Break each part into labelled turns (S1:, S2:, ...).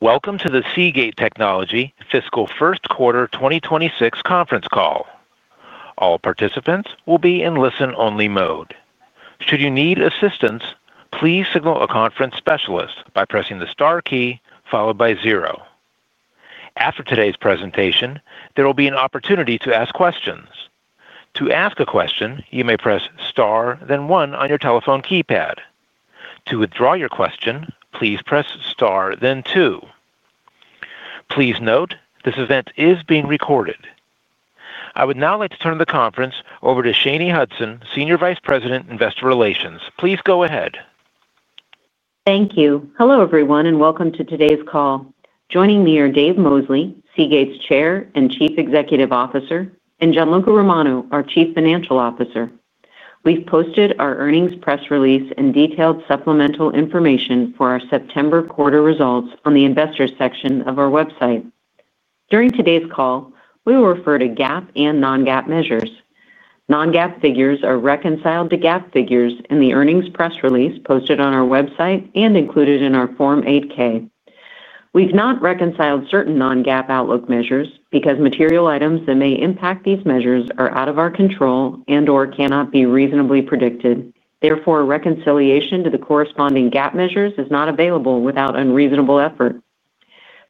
S1: Welcome to the Seagate Technology fiscal first quarter 2026 conference call. All participants will be in listen-only mode. Should you need assistance, please signal a conference specialist by pressing the star key followed by zero. After today's presentation, there will be an opportunity to ask questions. To ask a question, you may press star then one on your telephone keypad. To withdraw your question, please press star then two. Please note this event is being recorded. I would now like to turn the conference over to Shanye Hudson, Senior Vice President, Investor Relations. Please go ahead.
S2: Thank you. Hello everyone and welcome to today's call. Joining me are Dave Mosley, Seagate's Chair and Chief Executive Officer, and Gianluca Romano, our Chief Financial Officer. We've posted our earnings press release and detailed supplemental information for our September quarter results on the Investor section of our website. During today's call, we will refer to GAAP and non-GAAP measures. Non-GAAP figures are reconciled to GAAP figures in the earnings press release posted on our website and included in our Form 8-K. We've not reconciled certain non-GAAP outlook measures because material items that may impact these measures are out of our control and/or cannot be reasonably predicted. Therefore, reconciliation to the corresponding GAAP measures is not available without unreasonable effort.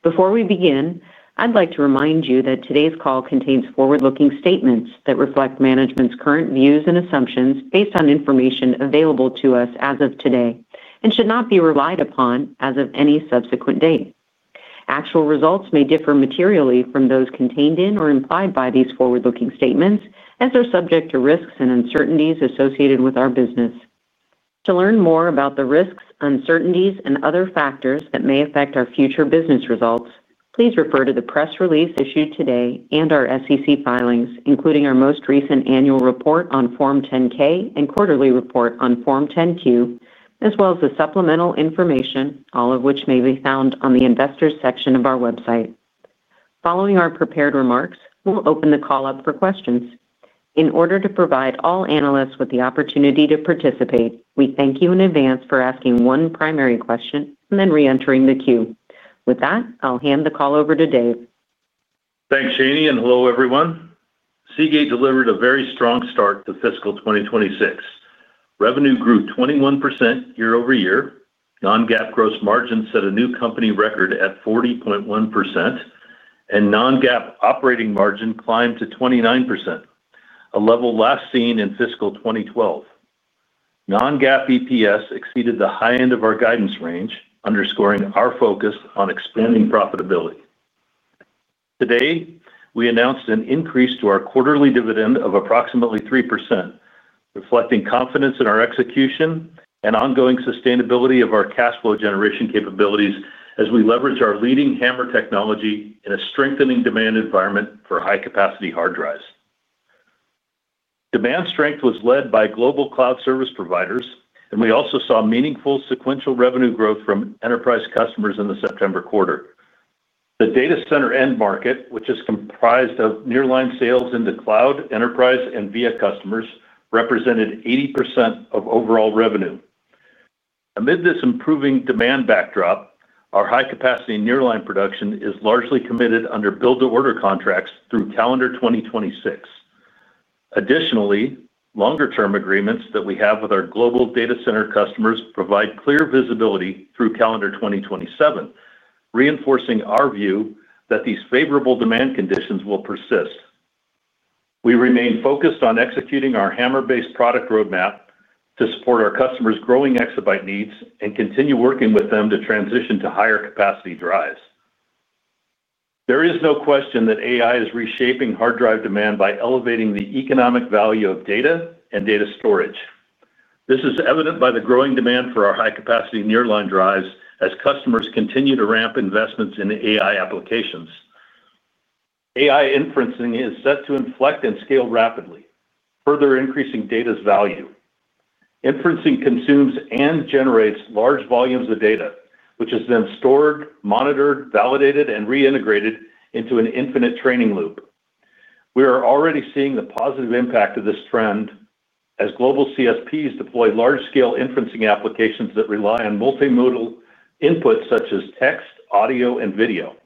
S2: Before we begin, I'd like to remind you that today's call contains forward-looking statements that reflect management's current views and assumptions based on information available to us as of today and should not be relied upon as of any subsequent date. Actual results may differ materially from those contained in or implied by these forward-looking statements, as they're subject to risks and uncertainties associated with our business. To learn more about the risks, uncertainties, and other factors that may affect our future business results, please refer to the press release issued today and our SEC filings, including our most recent annual report on Form 10-K and quarterly report on Form 10-Q, as well as the supplemental information, all of which may be found on the Investors section of our website. Following our prepared remarks, we'll open the call up for questions. In order to provide all analysts with the opportunity to participate, we thank you in advance for asking one primary question and then re-entering the queue. With that, I'll hand the call over to Dave.
S3: Thanks, Shanye, and hello everyone. Seagate delivered a very strong start to fiscal 2026. Revenue grew 21% year-over-year, non-GAAP gross margins set a new company record at 40.1%, and non-GAAP operating margin climbed to 29%, a level last seen in fiscal 2012. Non-GAAP EPS exceeded the high end of our guidance range, underscoring our focus on expanding profitability. Today, we announced an increase to our quarterly dividend of approximately 3%, reflecting confidence in our execution and ongoing sustainability of our cash flow generation capabilities as we leverage our leading HAMR technology in a strengthening demand environment for high-capacity hard drives. Demand strength was led by global cloud service providers, and we also saw meaningful sequential revenue growth from enterprise customers in the September quarter. The data center end market, which is comprised of nearline sales into cloud, enterprise, and VIA customers, represented 80% of overall revenue. Amid this improving demand backdrop, our high-capacity nearline production is largely committed under build-to-order contracts through calendar 2026. Additionally, longer-term agreements that we have with our global data center customers provide clear visibility through calendar 2027, reinforcing our view that these favorable demand conditions will persist. We remain focused on executing our HAMR-based product roadmap to support our customers' growing exabyte needs and continue working with them to transition to higher-capacity drives. There is no question that AI is reshaping hard drive demand by elevating the economic value of data and data storage. This is evident by the growing demand for our high-capacity nearline drives as customers continue to ramp investments in AI applications. AI inferencing is set to inflect and scale rapidly, further increasing data's value. Inferencing consumes and generates large volumes of data, which is then stored, monitored, validated, and reintegrated into an infinite training loop. We are already seeing the positive impact of this trend as global CSPs deploy large-scale inferencing applications that rely on multimodal inputs such as text, audio, and video.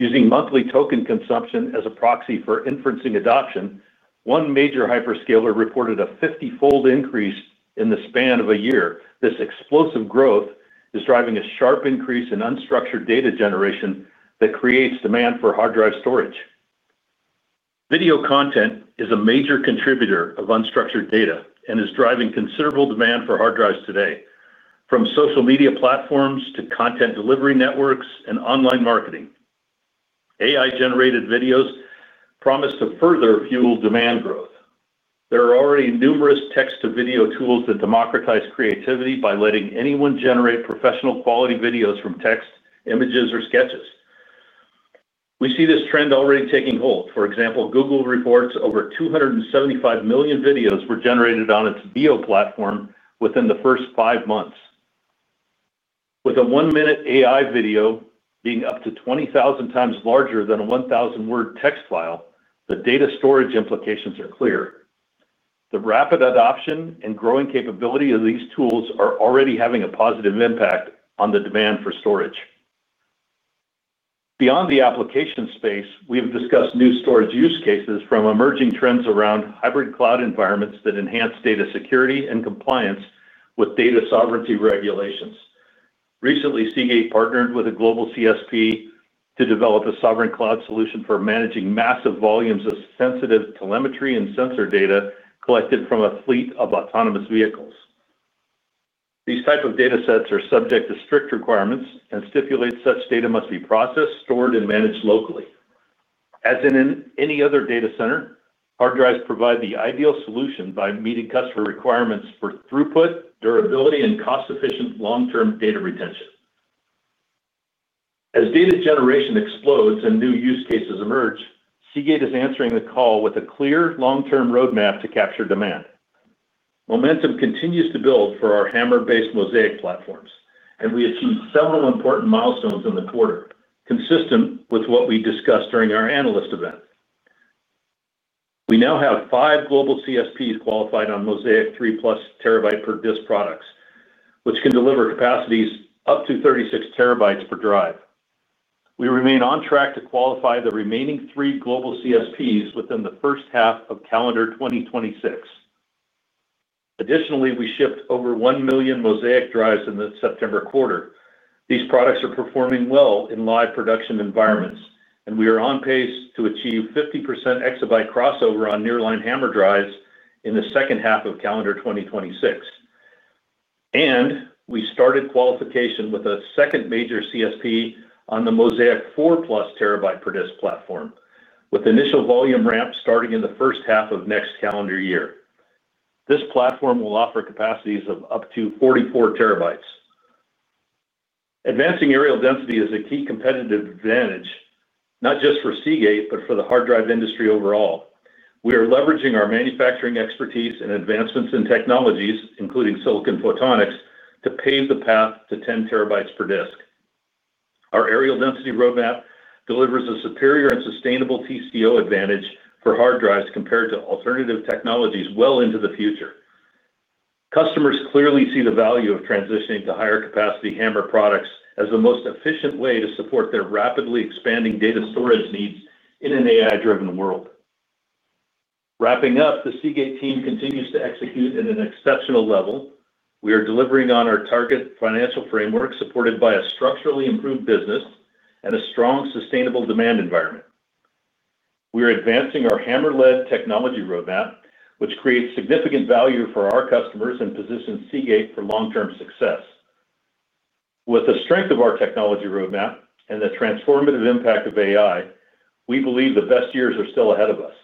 S3: Using monthly token consumption as a proxy for inferencing adoption, one major hyperscaler reported a 50-fold increase in the span of a year. This explosive growth is driving a sharp increase in unstructured data generation that creates demand for hard drive storage. Video content is a major contributor of unstructured data and is driving considerable demand for hard drives today, from social media platforms to content delivery networks and online marketing. AI-generated videos promise to further fuel demand growth. There are already numerous text-to-video tools that democratize creativity by letting anyone generate professional-quality videos from text, images, or sketches. We see this trend already taking hold. For example, Google reports over 275 million videos were generated on its VO platform within the first five months. With a one-minute AI video being up to 20,000x larger than a 1,000-word text file, the data storage implications are clear. The rapid adoption and growing capability of these tools are already having a positive impact on the demand for storage. Beyond the application space, we've discussed new storage use cases from emerging trends around hybrid cloud environments that enhance data security and compliance with data sovereignty regulations. Recently, Seagate partnered with a global CSP to develop a sovereign cloud solution for managing massive volumes of sensitive telemetry and sensor data collected from a fleet of autonomous vehicles. These types of data sets are subject to strict requirements and stipulate such data must be processed, stored, and managed locally. As in any other data center, hard drives provide the ideal solution by meeting customer requirements for throughput, durability, and cost-efficient long-term data retention. As data generation explodes and new use cases Seagate is answering the call with a clear long-term roadmap to capture demand. Momentum continues to build for our HAMR-based Mosaic platforms, and we achieved several important milestones in the quarter, consistent with what we discussed during our analyst event. We now have five global CSPs qualified on Mosaic 3+ TB per disk products, which can deliver capacities up to 36 TB per drive. We remain on track to qualify the remaining three global CSPs within the first half of calendar 2026. Additionally, we shipped over 1 million Mosaic drives in the September quarter. These products are performing well in live production environments, and we are on pace to achieve 50% exabyte crossover on nearline HAMR drives in the second half of calendar 2026. We started qualification with a second major CSP on the Mosaic 4+ TB per disk platform, with initial volume ramps starting in the first half of next calendar year. This platform will offer capacities of up to 44 TB. Advancing areal density is a key competitive advantage, not just for Seagate, but for the hard drive industry overall. We are leveraging our manufacturing expertise and advancements in technologies, including silicon photonics, to pave the path to 10 TB per disk. Our areal density roadmap delivers a superior and sustainable TCO advantage for hard drives compared to alternative technologies well into the future. Customers clearly see the value of transitioning to higher-capacity HAMR products as the most efficient way to support their rapidly expanding data storage needs in an AI-driven world. Wrapping up, Seagate team continues to execute at an exceptional level. We are delivering on our target financial framework supported by a structurally improved business and a strong sustainable demand environment. We are advancing our HAMR-led technology roadmap, which creates significant value for our customers and Seagate for long-term success. With the strength of our technology roadmap and the transformative impact of AI, we believe the best years are still ahead of us.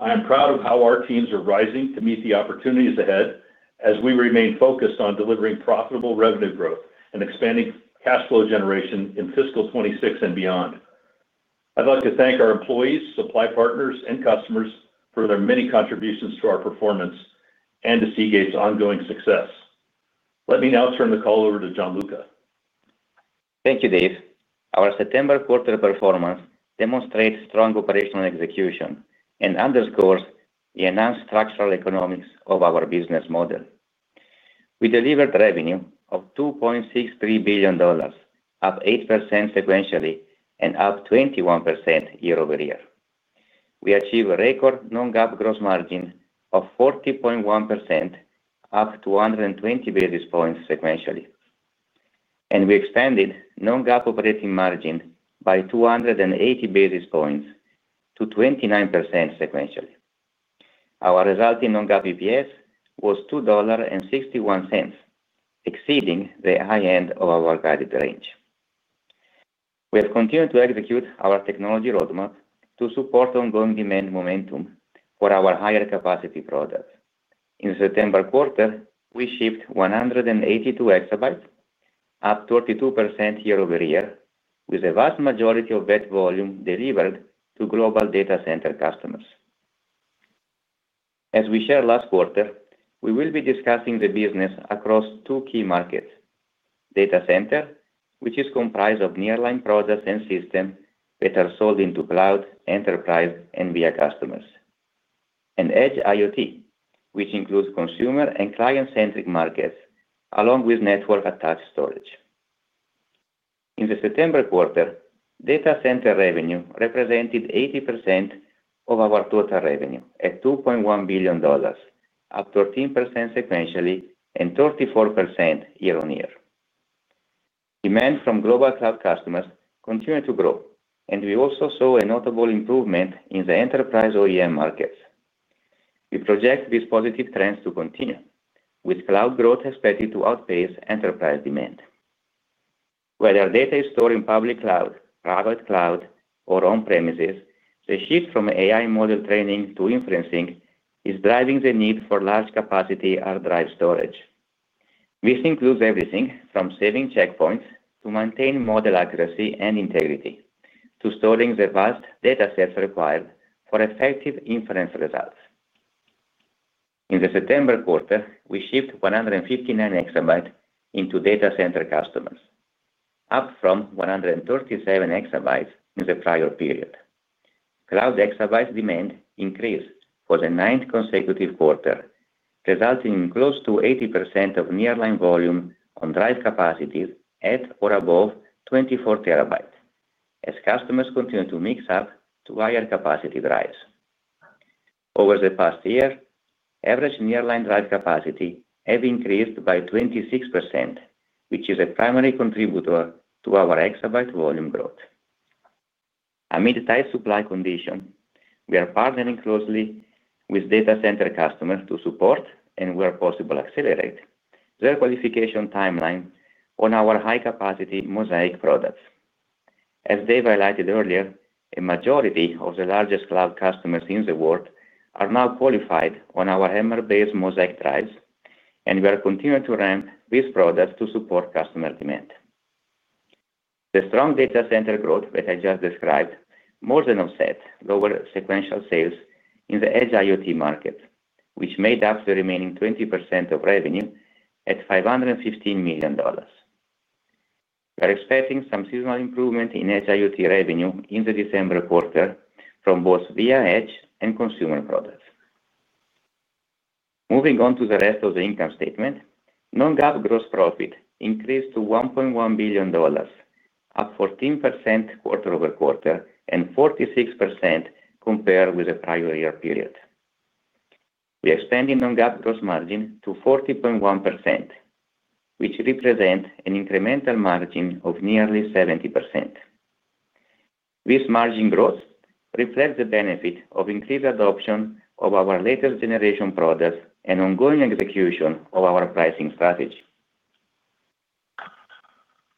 S3: I am proud of how our teams are rising to meet the opportunities ahead as we remain focused on delivering profitable revenue growth and expanding cash flow generation in fiscal 2026 and beyond. I'd like to thank our employees, supply partners, and customers for their many contributions to our performance and to Seagate's ongoing success. Let me now turn the call over to Gianluca.
S4: Thank you, Dave. Our September quarter performance demonstrates strong operational execution and underscores the enhanced structural economics of our business model. We delivered revenue of $2.63 billion, up 8% sequentially, and up 21% year-over-year. We achieved a record non-GAAP gross margin of 40.1%, up 220 basis points sequentially. We expanded non-GAAP operating margin by 280 basis points to 29% sequentially. Our resulting non-GAAP EPS was $2.61, exceeding the high end of our guided range. We have continued to execute our technology roadmap to support ongoing demand momentum for our higher-capacity product. In the September quarter, we shipped 182 EB, up 32% year-over-year, with a vast majority of that volume delivered to global data center customers. As we shared last quarter, we will be discussing the business across two key markets: data center, which is comprised of nearline products and systems that are sold into cloud, enterprise, and VIA customers, and edge IoT, which includes consumer and client-centric markets, along with network-attached storage. In the September quarter, data center revenue represented 80% of our total revenue at $2.1 billion, up 13% sequentially and 34% year on year. Demand from global cloud customers continued to grow, and we also saw a notable improvement in the enterprise OEM markets. We project these positive trends to continue, with cloud growth expected to outpace enterprise demand. Whether data is stored in public cloud, private cloud, or on-premises, the shift from AI model training to inferencing is driving the need for large-capacity hard drive storage. This includes everything from saving checkpoints to maintain model accuracy and integrity, to storing the vast datasets required for effective inference results. In the September quarter, we shipped 159 EB into data center customers, up from 137 EB in the prior period. Cloud exabyte demand increased for the ninth consecutive quarter, resulting in close to 80% of nearline volume on drive capacities at or above 24 TB, as customers continue to mix up to higher-capacity drives. Over the past year, average nearline drive capacity has increased by 26%, which is a primary contributor to our exabyte volume growth. Amid tight supply conditions, we are partnering closely with data center customers to support and, where possible, accelerate their qualification timeline on our high-capacity Mosaic products. As Dave highlighted earlier, a majority of the largest cloud customers in the world are now qualified on our HAMR-based Mosaic drives, and we are continuing to ramp these products to support customer demand. The strong data center growth that I just described more than offset lower sequential sales in the edge IoT market, which made up the remaining 20% of revenue at $515 million. We are expecting some seasonal improvement in edge IoT revenue in the December quarter from both VIA Edge and consumer products. Moving on to the rest of the income statement, non-GAAP gross profit increased to $1.1 billion, up 14% quarter-over-quarter and 46% compared with the prior year period. We expanded non-GAAP gross margin to 40.1%, which represents an incremental margin of nearly 70%. This margin growth reflects the benefit of increased adoption of our latest generation products and ongoing execution of our pricing strategy.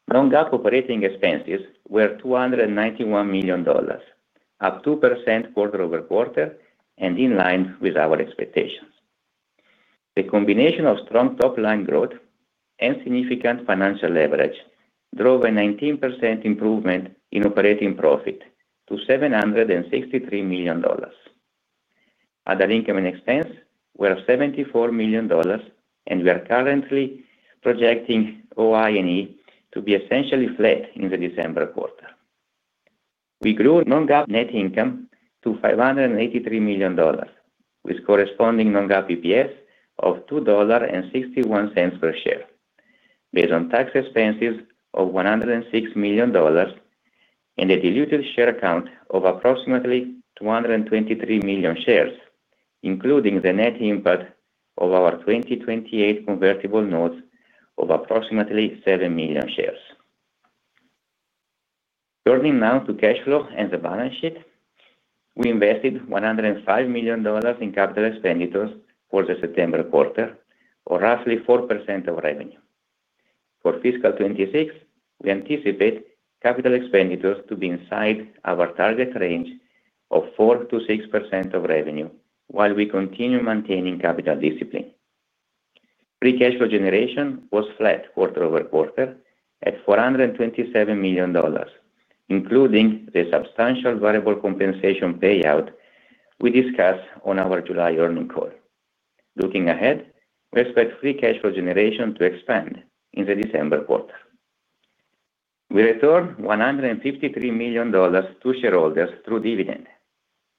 S4: Non-GAAP operating expenses were $291 million, up 2% quarter-over-quarter and in line with our expectations. The combination of strong top-line growth and significant financial leverage drove a 19% improvement in operating profit to $763 million. Other incoming expenses were $74 million, and we are currently projecting OI&E to be essentially flat in the December quarter. We grew non-GAAP net income to $583 million, with corresponding non-GAAP EPS of $2.61 per share, based on tax expenses of $106 million and a diluted share count of approximately 223 million shares, including the net input of our 2028 convertible notes of approximately 7 million shares. Turning now to cash flow and the balance sheet, we invested $105 million in capital expenditures for the September quarter, or roughly 4% of revenue. For fiscal 2026, we anticipate capital expenditures to be inside our target range of 4%-6% of revenue, while we continue maintaining capital discipline. Free cash flow generation was flat quarter-over-quarter at $427 million, including the substantial variable compensation payout we discussed on our July earnings call. Looking ahead, we expect free cash flow generation to expand in the December quarter. We returned $153 million to shareholders through dividend,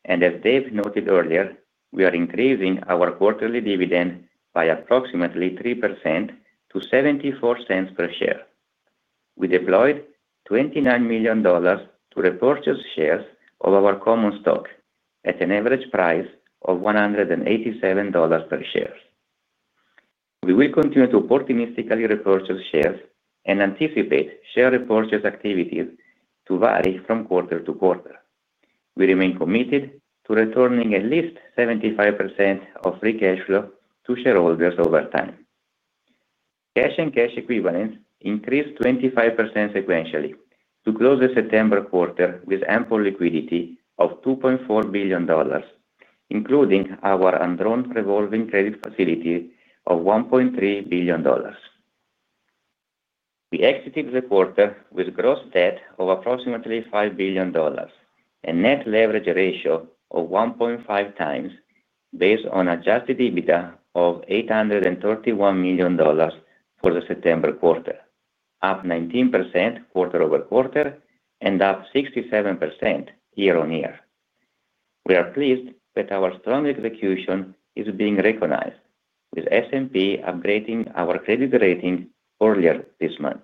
S4: and as Dave noted earlier, we are increasing our quarterly dividend by approximately 3% to $0.74 per share. We deployed $29 million to repurchase shares of our common stock at an average price of $187 per share. We will continue to opportunistically repurchase shares and anticipate share repurchase activities to vary from quarter to quarter. We remain committed to returning at least 75% of free cash flow to shareholders over time. Cash and cash equivalents increased 25% sequentially to close the September quarter with ample liquidity of $2.4 billion, including our undrawn revolving credit facility of $1.3 billion. We exited the quarter with gross debt of approximately $5 billion and a net leverage ratio of 1.5x, based on adjusted EBITDA of $831 million for the September quarter, up 19% quarter-over-quarter and up 67% year on year. We are pleased that our strong execution is being recognized, with S&P upgrading our credit rating earlier this month.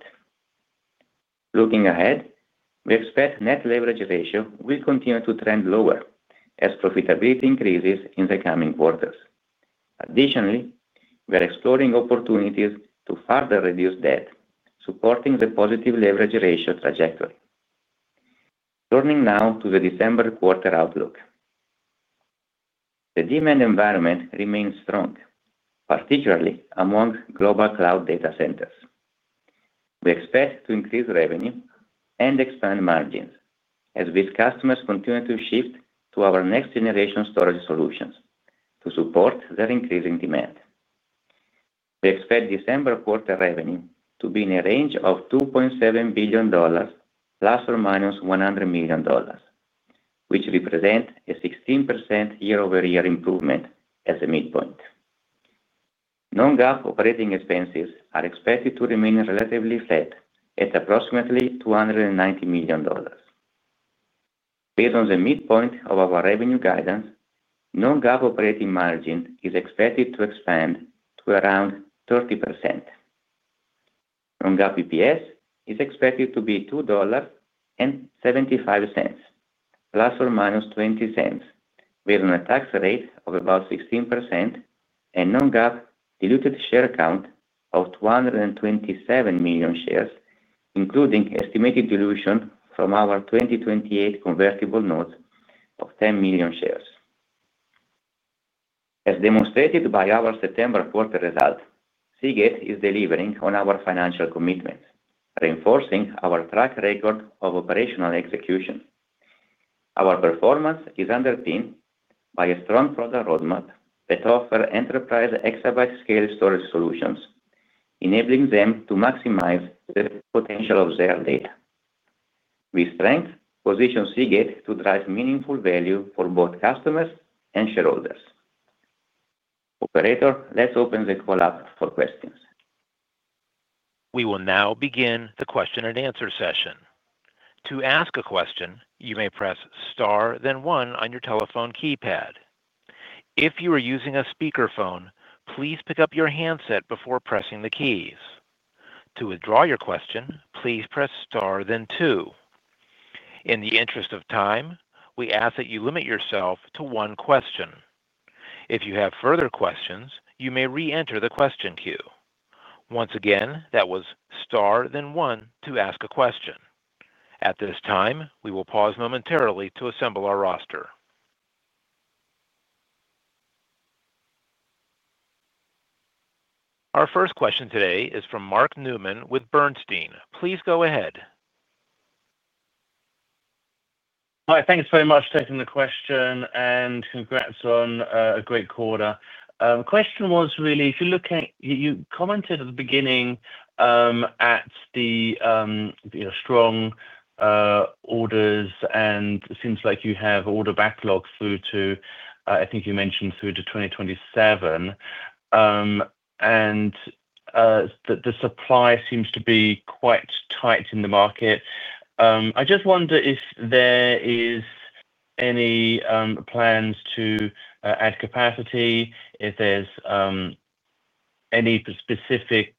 S4: Looking ahead, we expect the net leverage ratio will continue to trend lower as profitability increases in the coming quarters. Additionally, we are exploring opportunities to further reduce debt, supporting the positive leverage ratio trajectory. Turning now to the December quarter outlook. The demand environment remains strong, particularly among global cloud data centers. We expect to increase revenue and expand margins as these customers continue to shift to our next-generation storage solutions to support their increasing demand. We expect December quarter revenue to be in a range of $2.7 billion ±$100 million, which represents a 16% year-over-year improvement as a midpoint. Non-GAAP operating expenses are expected to remain relatively flat at approximately $290 million. Based on the midpoint of our revenue guidance, non-GAAP operating margin is expected to expand to around 30%. Non-GAAP EPS is expected to be $2.75 ±$0.20, based on a tax rate of about 16% and a non-GAAP diluted share count of 227 million shares, including estimated dilution from our 2028 convertible notes of 10 million shares. As demonstrated by our September quarter Seagate is delivering on our financial commitments, reinforcing our track record of operational execution. Our performance is underpinned by a strong product roadmap that offers enterprise exabyte scale storage solutions, enabling them to maximize the potential of their data. We strengthen and position Seagate to drive meaningful value for both customers and shareholders. Operator, let's open the call up for questions.
S1: We will now begin the question and answer session. To ask a question, you may press star then one on your telephone keypad. If you are using a speakerphone, please pick up your handset before pressing the keys. To withdraw your question, please press star then two. In the interest of time, we ask that you limit yourself to one question. If you have further questions, you may re-enter the question queue. Once again, that was star then one to ask a question. At this time, we will pause momentarily to assemble our roster. Our first question today is from Mark Newman with Bernstein. Please go ahead.
S5: Hi, thanks very much for taking the question and congrats on a great quarter. The question was really, if you look at you commented at the beginning at the strong orders and it seems like you have order backlogs through to, I think you mentioned through to 2027. The supply seems to be quite tight in the market. I just wonder if there are any plans to add capacity, if there's any specific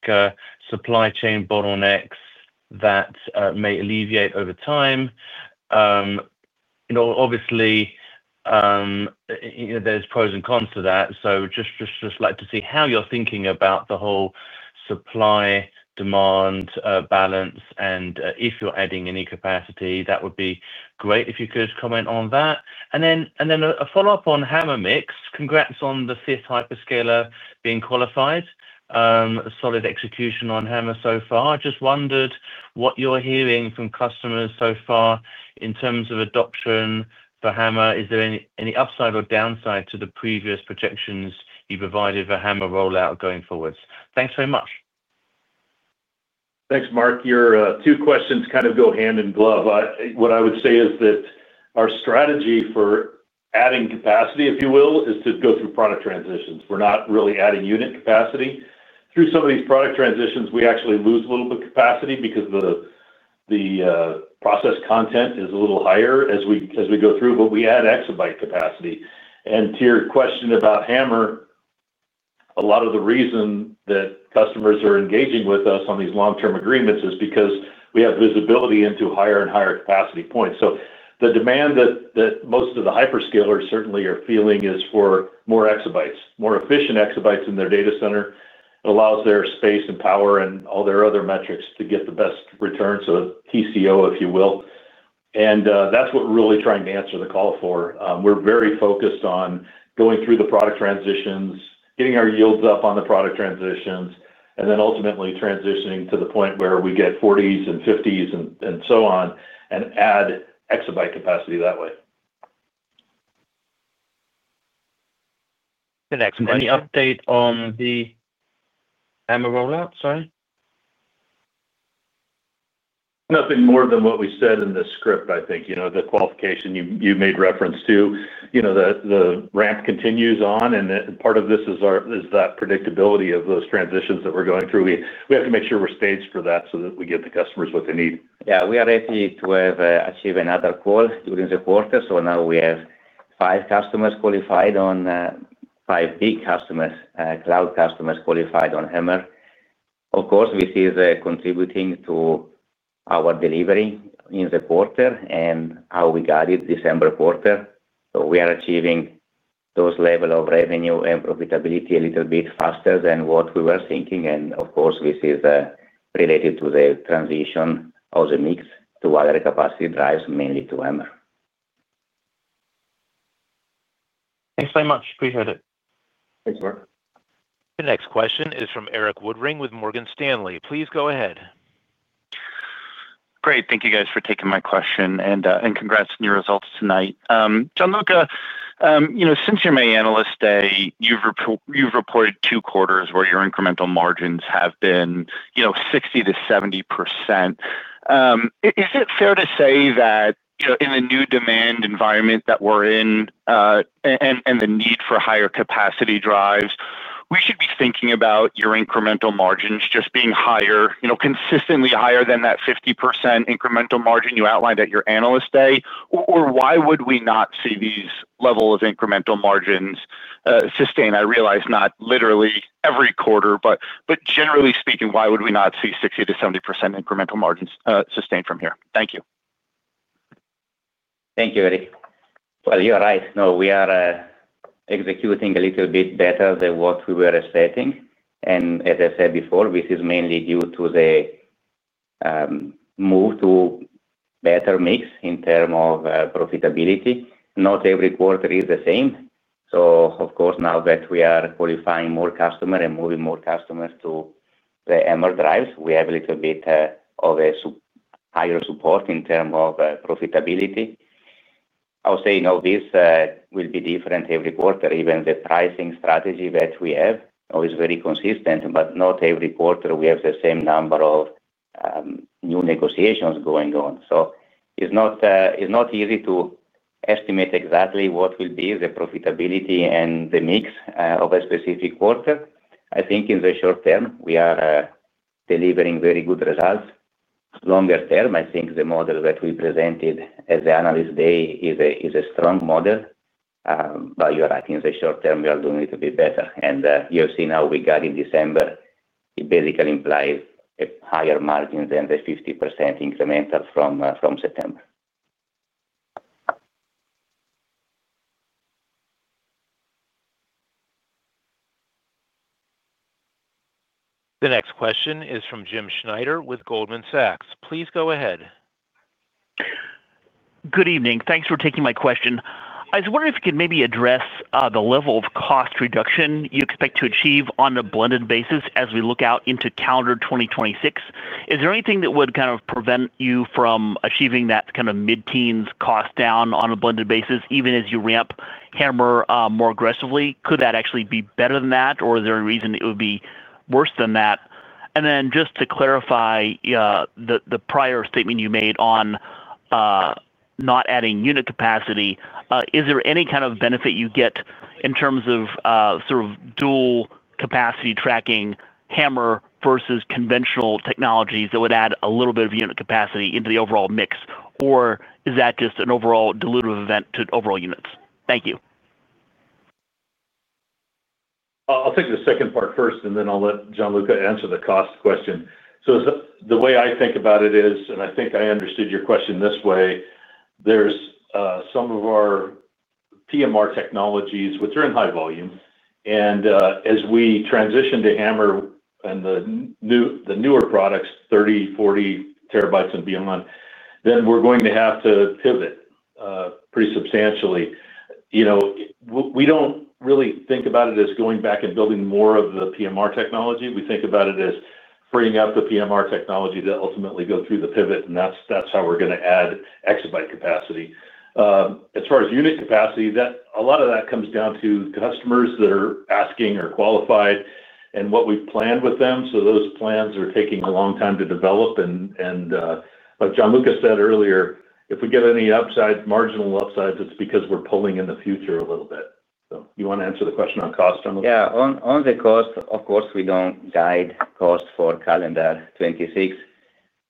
S5: supply chain bottlenecks that may alleviate over time. Obviously, there's pros and cons to that. I would just like to see how you're thinking about the whole supply-demand balance and if you're adding any capacity, that would be great if you could comment on that. A follow-up on HAMR mix. Congrats on the fifth hyperscaler being qualified. Solid execution on HAMR so far. Just wondered what you're hearing from customers so far in terms of adoption for HAMR. Is there any upside or downside to the previous projections you provided for HAMR rollout going forwards? Thanks very much.
S3: Thanks, Mark. Your two questions kind of go hand in glove. What I would say is that our strategy for adding capacity, if you will, is to go through product transitions. We're not really adding unit capacity. Through some of these product transitions, we actually lose a little bit of capacity because the process content is a little higher as we go through, but we add exabyte capacity. To your question about HAMR, a lot of the reason that customers are engaging with us on these long-term agreements is because we have visibility into higher and higher capacity points. The demand that most of the hyperscalers certainly are feeling is for more exabytes, more efficient exabytes in their data center. It allows their space and power and all their other metrics to get the best returns of TCO, if you will. That's what we're really trying to answer the call for. We're very focused on going through the product transitions, getting our yields up on the product transitions, and ultimately transitioning to the point where we get 40s and 50s and so on and add exabyte capacity that way.
S1: The next question.
S5: Update on the HAMR rollout? Sorry.
S3: Nothing more than what we said in the script, I think. The qualification you made reference to, the ramp continues on and part of this is that predictability of those transitions that we're going through. We have to make sure we're staged for that so that we get the customers what they need.
S4: Yeah, we are happy to have achieved another call during the quarter. Now we have five customers qualified, five big cloud customers qualified on HAMR. This is contributing to our delivery in the quarter and how we got it in the December quarter. We are achieving those levels of revenue and profitability a little bit faster than what we were thinking. This is related to the transition of the mix to other capacity drives, mainly to HAMR.
S5: Thanks very much. Appreciate it.
S3: Thanks, Mark.
S1: The next question is from Erik Woodring with Morgan Stanley. Please go ahead.
S6: Great. Thank you guys for taking my question and congrats on your results tonight. Gianluca, since you're my analyst, you've reported two quarters where your incremental margins have been 60%-70%. Is it fair to say that in the new demand environment that we're in and the need for higher capacity drives, we should be thinking about your incremental margins just being higher, consistently higher than that 50% incremental margin you outlined at your analyst day? Why would we not see these levels of incremental margins sustained? I realize not literally every quarter, but generally speaking, why would we not see 60%-70% incremental margins sustained from here? Thank you.
S4: Thank you, Erik. You are right. No, we are executing a little bit better than what we were expecting. As I said before, this is mainly due to the move to a better mix in terms of profitability. Not every quarter is the same. Of course, now that we are qualifying more customers and moving more customers to the HAMR drives, we have a little bit of a higher support in terms of profitability. I'll say, no, this will be different every quarter. Even the pricing strategy that we have is very consistent, but not every quarter we have the same number of new negotiations going on. It's not easy to estimate exactly what will be the profitability and the mix of a specific quarter. I think in the short term, we are delivering very good results. Longer term, I think the model that we presented at the analyst day is a strong model. You are right, in the short term, we are doing a little bit better. You'll see now we got in December. It basically implies a higher margin than the 50% incremental from September.
S1: The next question is from Jim Schneider with Goldman Sachs. Please go ahead.
S7: Good evening. Thanks for taking my question. I just wonder if you could maybe address the level of cost reduction you expect to achieve on a blended basis as we look out into calendar 2026. Is there anything that would kind of prevent you from achieving that kind of mid-teens cost down on a blended basis, even as you ramp HAMR more aggressively? Could that actually be better than that, or is there any reason it would be worse than that? Just to clarify the prior statement you made on not adding unit capacity, is there any kind of benefit you get in terms of sort of dual capacity tracking HAMR versus conventional technologies that would add a little bit of unit capacity into the overall mix? Or is that just an overall dilutive event to overall units? Thank you.
S3: I'll take the second part first, and then I'll let Gianluca answer the cost question. The way I think about it is, and I think I understood your question this way, there's some of our PMR technologies, which are in high volume. As we transition to HAMR and the newer products, 30 TB, 40 TB and beyond, we're going to have to pivot pretty substantially. We don't really think about it as going back and building more of the PMR technology. We think about it as freeing up the PMR technology to ultimately go through the pivot, and that's how we're going to add exabyte capacity. As far as unit capacity, a lot of that comes down to customers that are asking or qualified and what we've planned with them. Those plans are taking a long time to develop. Like Gianluca said earlier, if we get any upsides, marginal upsides, it's because we're pulling in the future a little bit. You want to answer the question on cost, Gianluca?
S4: Yeah. On the cost, of course, we don't guide cost for calendar 2026.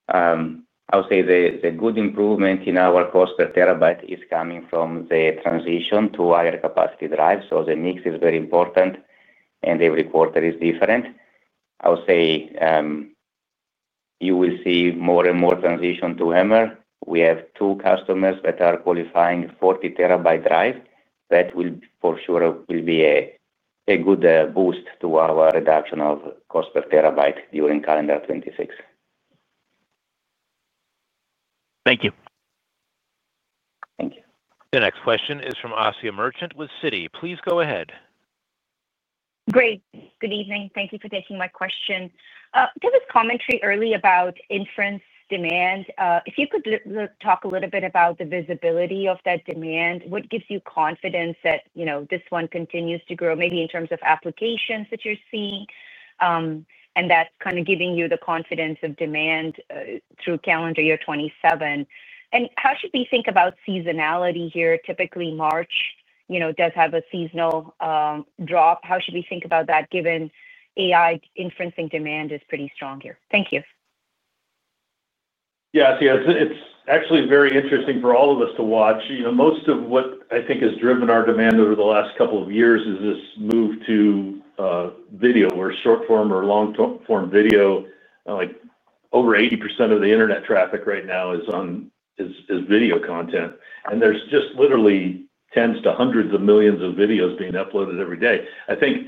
S4: I would say the good improvement in our cost per terabyte is coming from the transition to higher capacity drives. The mix is very important, and every quarter is different. I would say you will see more and more transition to HAMR. We have two customers that are qualifying 40 TB drives. That will for sure be a good boost to our reduction of cost per terabyte during calendar 2026.
S7: Thank you.
S4: Thank you.
S1: The next question is from Asiya Merchant with Citi. Please go ahead.
S8: Great. Good evening. Thank you for taking my question. I did this commentary early about inference demand. If you could talk a little bit about the visibility of that demand, what gives you confidence that this one continues to grow, maybe in terms of applications that you're seeing? That's kind of giving you the confidence of demand through calendar year 2027. How should we think about seasonality here? Typically, March does have a seasonal drop. How should we think about that given AI inferencing demand is pretty strong here? Thank you.
S3: Yeah, see, it's actually very interesting for all of us to watch. Most of what I think has driven our demand over the last couple of years is this move to video or short-form or long-form video. Like over 80% of the internet traffic right now is on video content. There's just literally tens to hundreds of millions of videos being uploaded every day. I think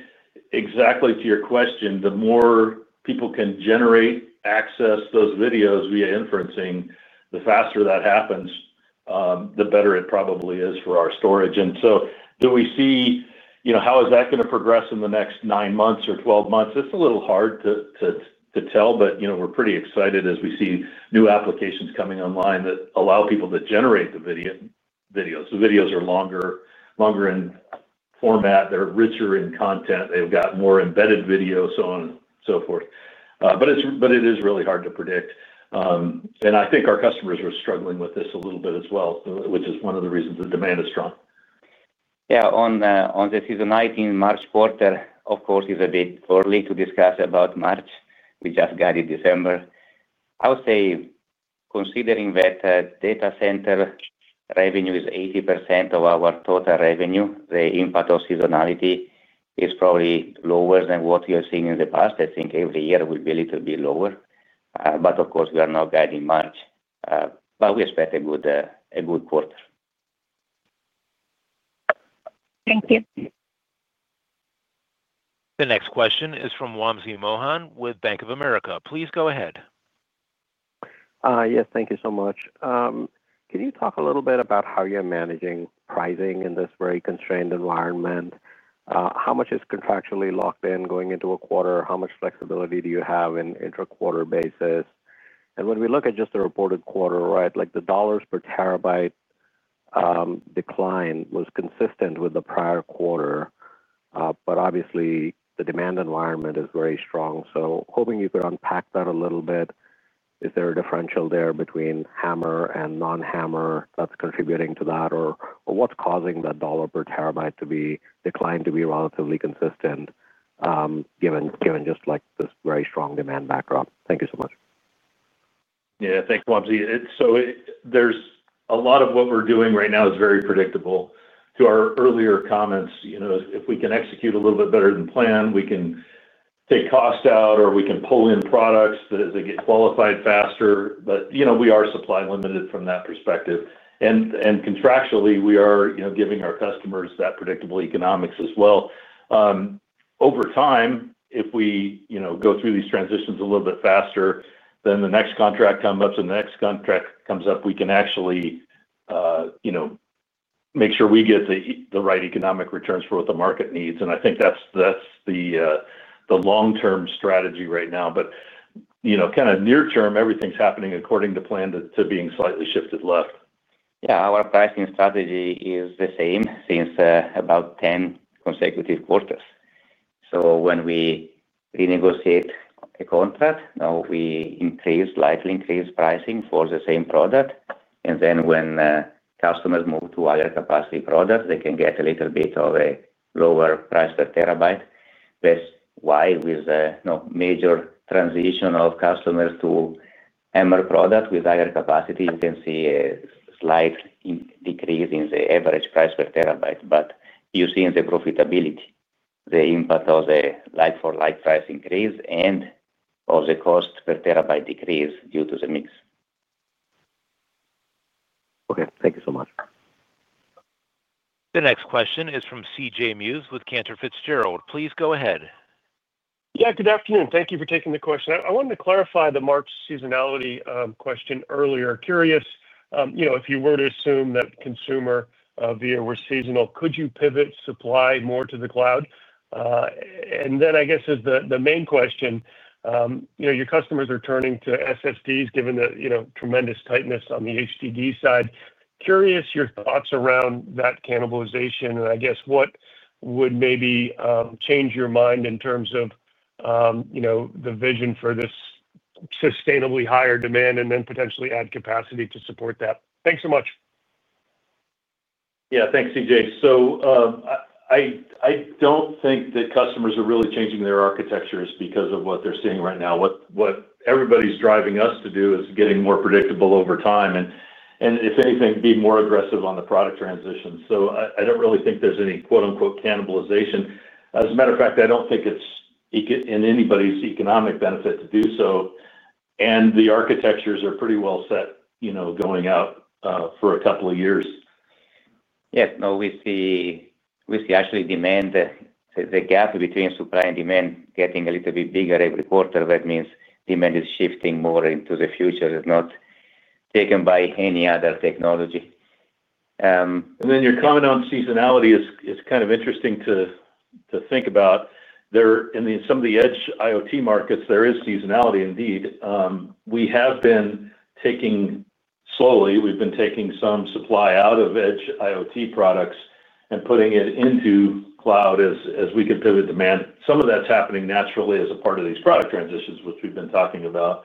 S3: exactly to your question, the more people can generate access to those videos via inferencing, the faster that happens, the better it probably is for our storage. Do we see, you know, how is that going to progress in the next 9 months or 12 months? It's a little hard to tell, but we're pretty excited as we see new applications coming online that allow people to generate the videos. The videos are longer in format, they're richer in content, they've got more embedded videos, so on and so forth. It is really hard to predict. I think our customers are struggling with this a little bit as well, which is one of the reasons the demand is strong.
S4: Yeah. On the seasonality in March quarter, of course, it's a bit early to discuss about March. We just got in December. I would say considering that data center revenue is 80% of our total revenue, the impact of seasonality is probably lower than what we are seeing in the past. I think every year we'll be a little bit lower. Of course, we are not guiding March. We expect a good quarter.
S8: Thank you.
S1: The next question is from Wamsi Mohan with Bank of America. Please go ahead.
S9: Yes, thank you so much. Can you talk a little bit about how you're managing pricing in this very constrained environment? How much is contractually locked in going into a quarter? How much flexibility do you have on an intra-quarter basis? When we look at just the reported quarter, right, like the dollars per terabyte decline was consistent with the prior quarter. Obviously, the demand environment is very strong. Hoping you could unpack that a little bit. Is there a differential there between HAMR and non-HAMR that's contributing to that? What's causing that dollar per terabyte decline to be relatively consistent given just like this very strong demand backdrop? Thank you so much.
S3: Yeah, thanks, Wamsi. A lot of what we're doing right now is very predictable. To our earlier comments, you know, if we can execute a little bit better than planned, we can take cost out or we can pull in products as they get qualified faster. You know, we are supply limited from that perspective, and contractually, we are giving our customers that predictable economics as well. Over time, if we go through these transitions a little bit faster, the next contract comes up. The next contract comes up, we can actually make sure we get the right economic returns for what the market needs. I think that's the long-term strategy right now. You know, kind of near-term, everything's happening according to plan to being slightly shifted left.
S4: Yeah, our pricing strategy is the same since about 10 consecutive quarters. When we renegotiate a contract, now we slightly increase pricing for the same product. When customers move to higher capacity products, they can get a little bit of a lower price per terabyte. That's why with a major transition of customers to HAMR products with higher capacity, you can see a slight decrease in the average price per terabyte. You see in the profitability the impact of the like-for-like price increase and of the cost per terabyte decrease due to the mix.
S9: Okay, thank you so much.
S1: The next question is from CJ Muse with Cantor Fitzgerald. Please go ahead.
S10: Yeah, good afternoon. Thank you for taking the question. I wanted to clarify the March seasonality question earlier. Curious, you know, if you were to assume that consumer VIA were seasonal, could you pivot supply more to the cloud? I guess is the main question, you know, your customers are turning to SSDs given the tremendous tightness on the HDD side. Curious your thoughts around that cannibalization and what would maybe change your mind in terms of, you know, the vision for this sustainably higher demand and then potentially add capacity to support that. Thanks so much.
S3: Yeah, thanks, CJ. I don't think that customers are really changing their architectures because of what they're seeing right now. What everybody's driving us to do is getting more predictable over time and, if anything, be more aggressive on the product transition. I don't really think there's any "cannibalization." As a matter of fact, I don't think it's in anybody's economic benefit to do so. The architectures are pretty well set, you know, going out for a couple of years.
S4: Yeah, no, we see actually demand, the gap between supply and demand getting a little bit bigger every quarter. That means demand is shifting more into the future. It's not taken by any other technology.
S3: Your comment on seasonality is kind of interesting to think about. In some of the edge IoT markets, there is seasonality indeed. We have been taking some supply out of edge IoT products and putting it into cloud as we can pivot demand. Some of that's happening naturally as a part of these product transitions, which we've been talking about.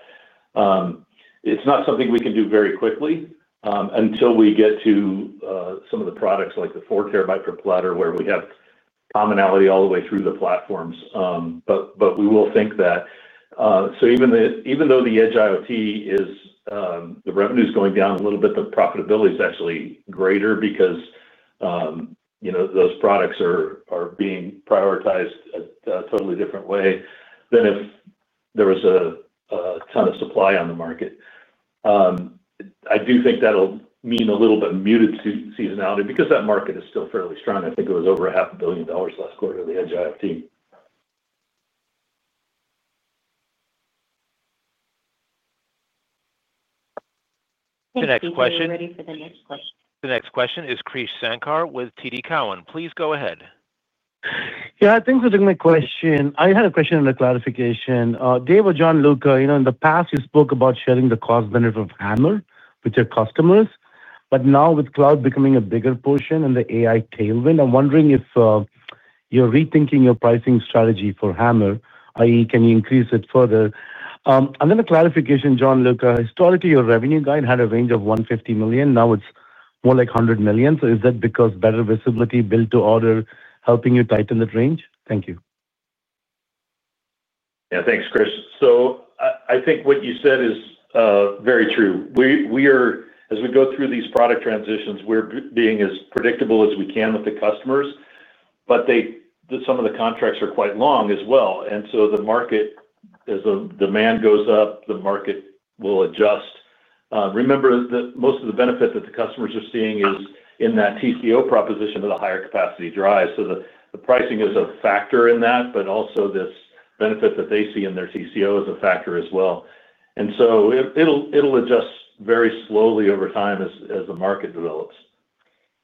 S3: It's not something we can do very quickly until we get to some of the products like the 4 TB per platter where we have commonality all the way through the platforms. We will think that even though the edge IoT revenue is going down a little bit, the profitability is actually greater because those products are being prioritized in a totally different way than if there was a ton of supply on the market. I do think that'll mean a little bit muted seasonality because that market is still fairly strong. I think it was over $0.5 billion last quarter of the edge IoT.
S1: The next question is Krish Sankar with TD Cowen. Please go ahead.
S11: Yeah, thanks for taking the question. I had a question and a clarification. David, Gianluca, you know, in the past, you spoke about sharing the cost-benefit of HAMR with your customers. Now with cloud becoming a bigger portion and the AI tailwind, I'm wondering if you're rethinking your pricing strategy for HAMR, i.e., can you increase it further? A clarification, Gianluca, historically, your revenue guide had a range of $150 million. Now it's more like $100 million. Is that because better visibility and build-to-order helping you tighten that range? Thank you.
S3: Thanks, Krish. I think what you said is very true. We are, as we go through these product transitions, being as predictable as we can with the customers. Some of the contracts are quite long as well. As the demand goes up, the market will adjust. Remember that most of the benefit that the customers are seeing is in that TCO proposition of the higher capacity drive. The pricing is a factor in that, but also this benefit that they see in their TCO is a factor as well. It will adjust very slowly over time as the market develops.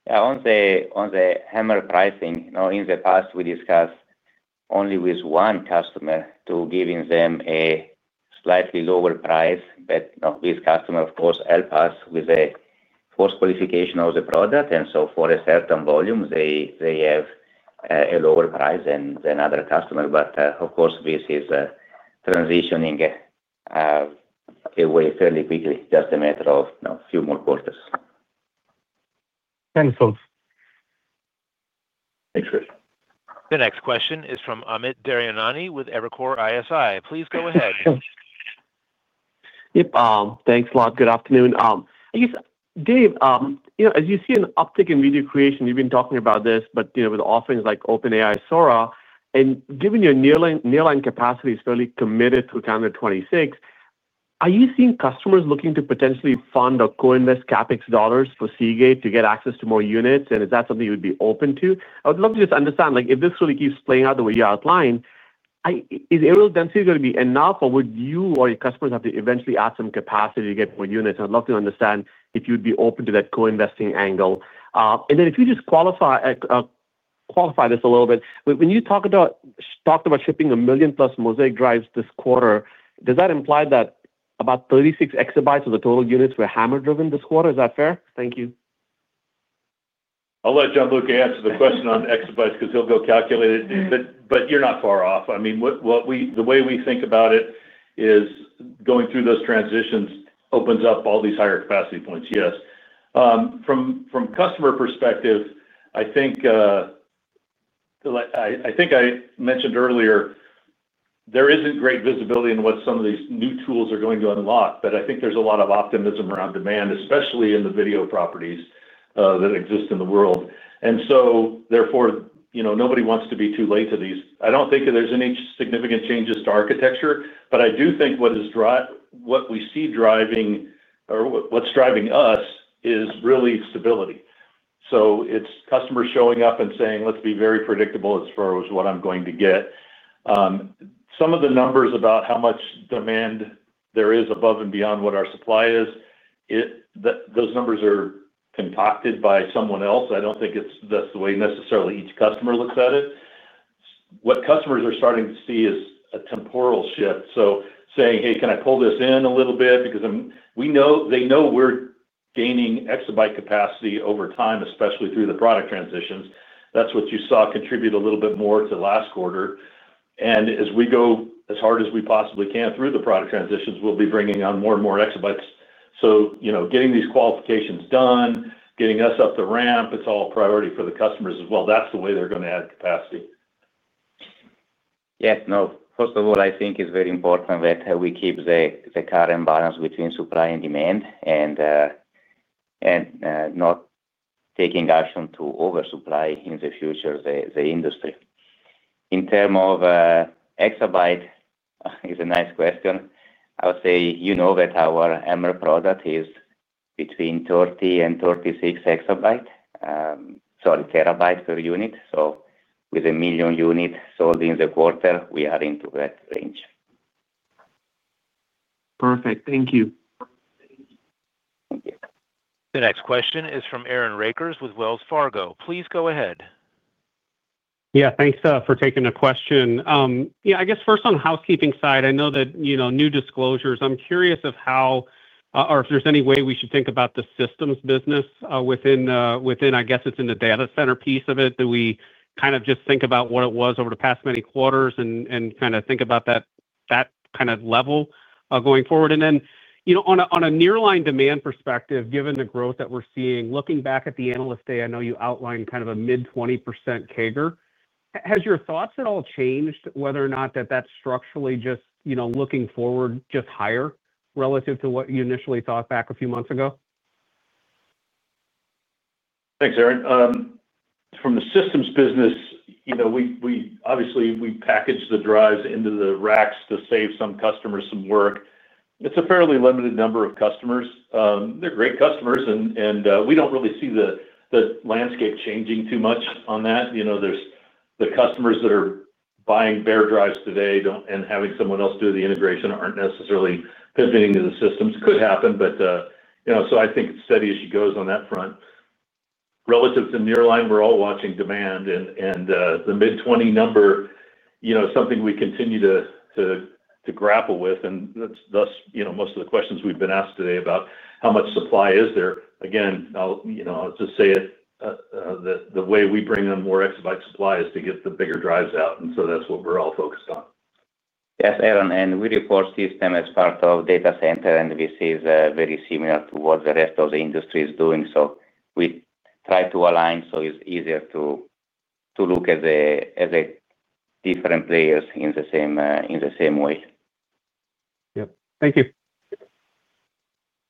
S4: Yeah, on the HAMR pricing, in the past, we discussed only with one customer to giving them a slightly lower price. This customer, of course, helps us with the post-qualification of the product. For a certain volume, they have a lower price than other customers. This is transitioning away fairly quickly, just a matter of a few more quarters.
S11: Thanks, folks.
S3: Thanks, Krish.
S1: The next question is from Amit Daryanani with Evercore ISI. Please go ahead.
S12: Yep. Thanks a lot. Good afternoon. I guess, Dave, as you see an uptick in video creation, you've been talking about this, but with offerings like OpenAI, Sora, and given your nearline capacity is fairly committed through calendar 2026, are you seeing customers looking to potentially fund or co-invest CapEx dollars for Seagate to get access to more units? Is that something you would be open to? I would love to just understand, if this really keeps playing out the way you outlined, is areal density going to be enough, or would you or your customers have to eventually add some capacity to get more units? I'd love to understand if you'd be open to that co-investing angle. If you just qualify this a little bit, when you talked about shipping a million-plus Mosaic drives this quarter, does that imply that about 36 EB of the total units were HAMR-driven this quarter? Is that fair? Thank you.
S3: I'll let Gianluca answer the question on exabytes because he'll go calculate it. You're not far off. The way we think about it is going through those transitions opens up all these higher capacity points. Yes. From a customer perspective, I think I mentioned earlier, there isn't great visibility in what some of these new tools are going to unlock. I think there's a lot of optimism around demand, especially in the video properties that exist in the world. Therefore, nobody wants to be too late to these. I don't think there's any significant changes to architecture, but what we see driving or what's driving us is really stability. It's customers showing up and saying, "Let's be very predictable as far as what I'm going to get." Some of the numbers about how much demand there is above and beyond what our supply is, those numbers are concocted by someone else. I don't think that's the way necessarily each customer looks at it. What customers are starting to see is a temporal shift, saying, "Hey, can I pull this in a little bit?" because they know we're gaining exabyte capacity over time, especially through the product transitions. That's what you saw contribute a little bit more to last quarter. As we go as hard as we possibly can through the product transitions, we'll be bringing on more and more exabytes. Getting these qualifications done, getting us up the ramp, it's all a priority for the customers as well. That's the way they're going to add capacity.
S4: Yeah, no, first of all, I think it's very important that we keep the current balance between supply and demand and not take action to oversupply in the future, the industry. In terms of exabyte, it's a nice question. I would say you know that our HAMR product is between 30 TB and 36 TB per unit. With a million units sold in the quarter, we are into that range.
S12: Perfect. Thank you.
S4: Thank you.
S1: The next question is from Aaron Rakers with Wells Fargo. Please go ahead.
S13: Yeah, thanks for taking the question. First, on the housekeeping side, I know that you know new disclosures. I'm curious if there's any way we should think about the systems business within, I guess it's in the data center piece of it, that we kind of just think about what it was over the past many quarters and kind of think about that level going forward. On a nearline demand perspective, given the growth that we're seeing, looking back at the analyst day, I know you outlined kind of a mid-20% CAGR. Has your thoughts at all changed whether or not that's structurally just, you know, looking forward, just higher relative to what you initially thought back a few months ago?
S3: Thanks, Aaron. From the systems business, we obviously package the drives into the racks to save some customers some work. It's a fairly limited number of customers. They're great customers, and we don't really see the landscape changing too much on that. The customers that are buying bare drives today and having someone else do the integration aren't necessarily pivoting to the systems. It could happen, but I think it's steady as she goes on that front. Relative to nearline, we're all watching demand, and the mid-20 number is something we continue to grapple with. Most of the questions we've been asked today are about how much supply is there. Again, I'll just say it, the way we bring in more exabyte supply is to get the bigger drives out. That's what we're all focused on.
S4: Yes, Aaron. We report system as part of data center, and this is very similar to what the rest of the industry is doing. We try to align so it's easier to look at the different players in the same way.
S13: Thank you.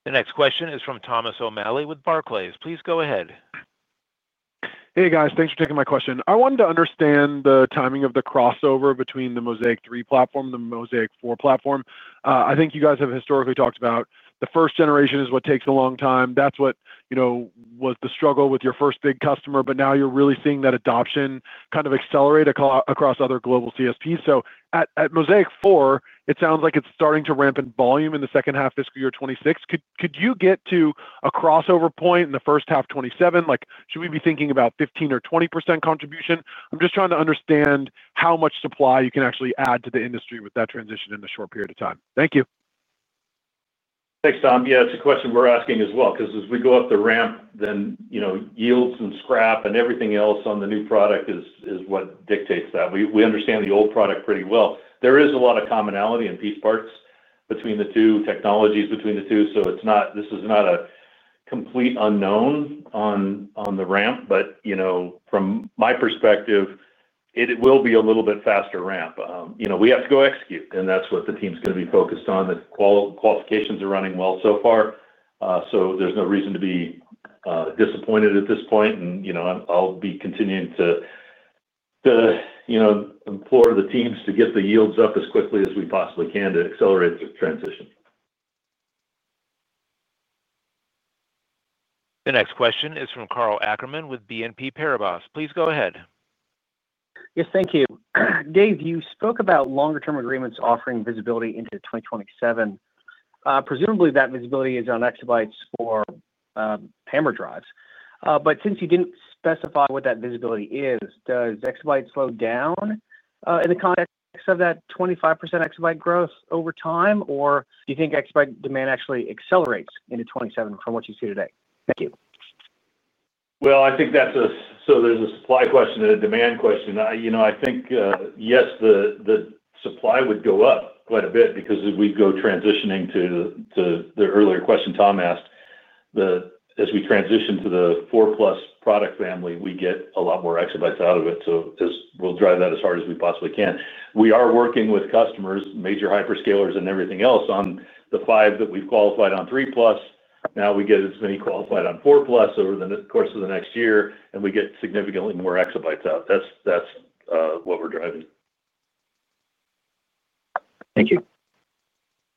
S1: The next question is from Thomas O'Malley with Barclays. Please go ahead.
S14: Hey, guys. Thanks for taking my question. I wanted to understand the timing of the crossover between the Mosaic 3 platform and the Mosaic 4 platform. I think you guys have historically talked about the first generation is what takes a long time. That's what, you know, was the struggle with your first big customer. Now you're really seeing that adoption kind of accelerate across other global CSPs. At Mosaic 4, it sounds like it's starting to ramp in volume in the second half of fiscal year 2026. Could you get to a crossover point in the first half of 2027? Like should we be thinking about 15% or 20% contribution? I'm just trying to understand how much supply you can actually add to the industry with that transition in a short period of time. Thank you.
S3: Thanks, Tom. Yeah, it's a question we're asking as well because as we go up the ramp, then yields and scrap and everything else on the new product is what dictates that. We understand the old product pretty well. There is a lot of commonality and piece parts between the two technologies. It's not a complete unknown on the ramp. From my perspective, it will be a little bit faster ramp. We have to go execute, and that's what the team's going to be focused on. The qualifications are running well so far. There's no reason to be disappointed at this point. I'll be continuing to implore the teams to get the yields up as quickly as we possibly can to accelerate the transition.
S1: The next question is from Karl Ackerman with BNP Paribas. Please go ahead.
S15: Yes, thank you. Dave, you spoke about longer-term agreements offering visibility into 2027. Presumably, that visibility is on exabytes for HAMR drives. Since you didn't specify what that visibility is, does exabyte slow down in the context of that 25% EB growth over time, or do you think exabyte demand actually accelerates into 2027 from what you see today? Thank you.
S3: I think there's a supply question and a demand question. I think, yes, the supply would go up quite a bit because we'd go transitioning to the earlier question Tom asked. As we transition to the 4+ product family, we get a lot more exabytes out of it. We'll drive that as hard as we possibly can. We are working with customers, major hyperscalers, and everything else on the five that we've qualified on 3+. Now we get as many qualified on 4+ over the course of the next year, and we get significantly more exabytes out. That's what we're driving.
S15: Thank you.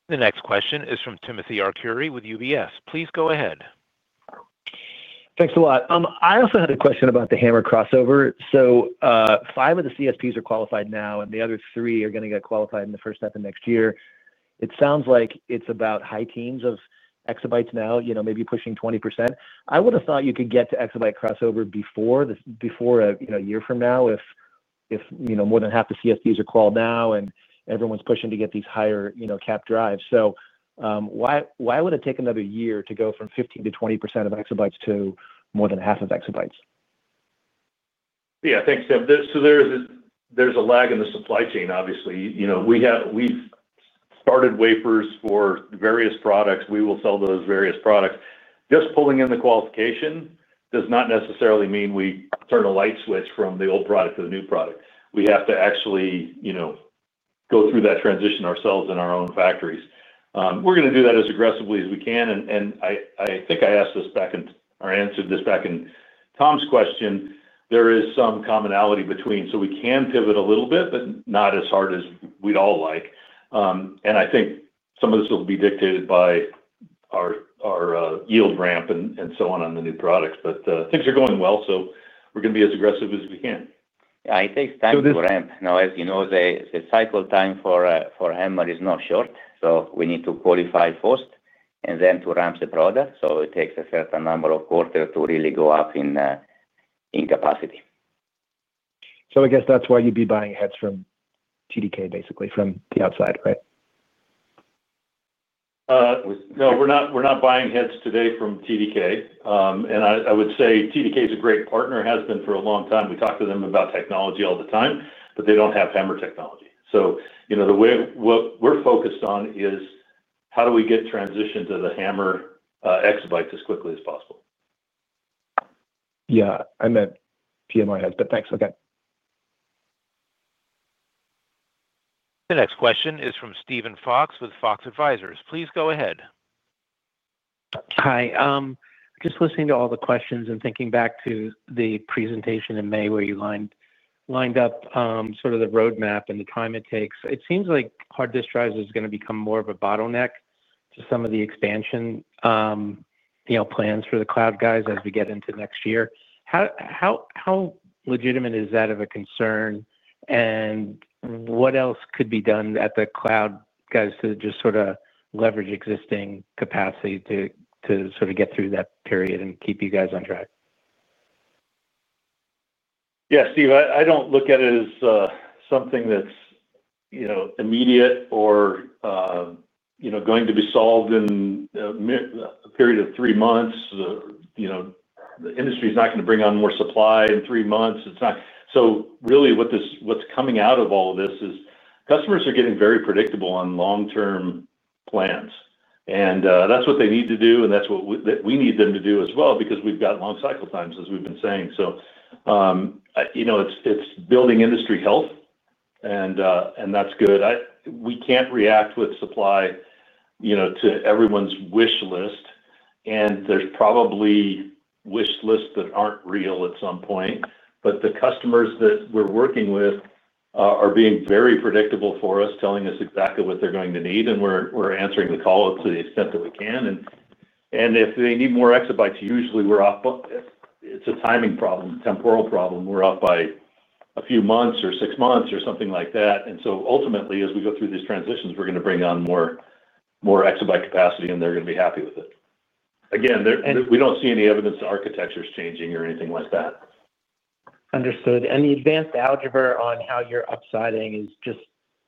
S1: The next question is from Timothy Arcuri with UBS. Please go ahead.
S16: Thanks a lot. I also had a question about the HAMR crossover. Five of the CSPs are qualified now, and the other three are going to get qualified in the first half of next year. It sounds like it's about high teens of exabytes now, maybe pushing 20%. I would have thought you could get to exabyte crossover before a year from now if more than half the CSPs are qualified now and everyone's pushing to get these higher capacity drives. Why would it take another year to go from 15%-20% of exabytes to more than half of exabytes?
S3: Yeah, thanks, Tim. There's a lag in the supply chain, obviously. You know we've started wafers for various products. We will sell those various products. Just pulling in the qualification does not necessarily mean we turn a light switch from the old product to the new product. We have to actually, you know, go through that transition ourselves in our own factories. We're going to do that as aggressively as we can. I think I answered this back in Tom's question. There is some commonality between, so we can pivot a little bit, but not as hard as we'd all like. I think some of this will be dictated by our yield ramp and so on on the new products. Things are going well, so we're going to be as aggressive as we can.
S4: Yeah, it takes time to ramp. Now, as you know, the cycle time for HAMR is not short. We need to qualify first and then to ramp the product. It takes a certain number of quarters to really go up in capacity.
S16: I guess that's why you'd be buying heads from TDK, basically, from the outside, right?
S3: No, we're not buying heads today from TDK. I would say TDK is a great partner, has been for a long time. We talk to them about technology all the time, but they don't have HAMR technology. What we're focused on is how do we get transitioned to the HAMR exabytes as quickly as possible.
S16: Yeah, I meant PMI heads, but thanks again.
S1: The next question is from Steven Fox with Fox Advisors. Please go ahead.
S17: Hi. Just listening to all the questions and thinking back to the presentation in May where you lined up sort of the roadmap and the time it takes, it seems like hard disk drives are going to become more of a bottleneck to some of the expansion plans for the cloud guys as we get into next year. How legitimate is that of a concern? What else could be done at the cloud guys to just sort of leverage existing capacity to get through that period and keep you guys on track?
S3: Yeah, Steve, I don't look at it as something that's immediate or going to be solved in a period of three months. The industry is not going to bring on more supply in three months. It's not. What is coming out of all of this is customers are getting very predictable on long-term plans. That's what they need to do, and that's what we need them to do as well because we've got long cycle times, as we've been saying. It's building industry health, and that's good. We can't react with supply to everyone's wish list. There are probably wish lists that aren't real at some point. The customers that we're working with are being very predictable for us, telling us exactly what they're going to need. We're answering the call to the extent that we can. If they need more exabytes, usually we're up. It's a timing problem, temporal problem. We're up by a few months or six months or something like that. Ultimately, as we go through these transitions, we're going to bring on more exabyte capacity, and they're going to be happy with it. Again, we don't see any evidence of architectures changing or anything like that.
S17: Understood. The advanced algebra on how you're upsizing is just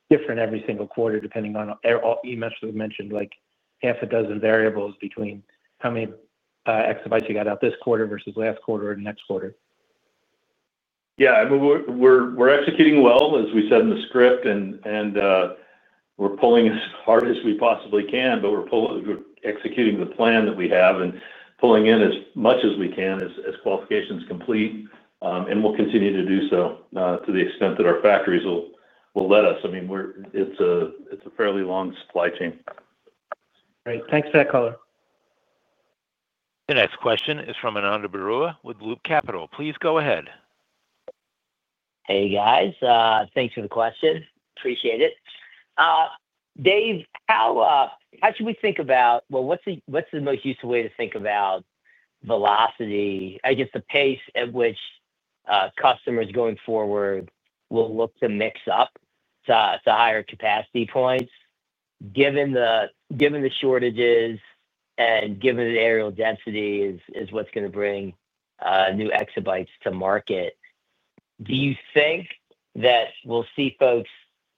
S17: different every single quarter, depending on, you mentioned, like half a dozen variables between how many exabytes you got out this quarter versus last quarter or next quarter.
S3: Yeah, I mean, we're executing well, as we said in the script. We're pulling as hard as we possibly can, but we're executing the plan that we have and pulling in as much as we can as qualifications complete. We'll continue to do so to the extent that our factories will let us. I mean, it's a fairly long supply chain.
S17: Great. Thanks for that color.
S1: The next question is from Ananda Baruah with Loop Capital. Please go ahead.
S18: Hey, guys. Thanks for the question. Appreciate it. Dave, how should we think about, what's the most useful way to think about velocity, I guess the pace at which customers going forward will look to mix up to higher capacity points? Given the shortages and given the areal density is what's going to bring new exabytes to market, do you think that we'll see folks